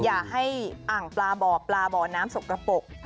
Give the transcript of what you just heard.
อย่าให้อ่างปลาบ่อปลาบ่อน้ำสกกระปก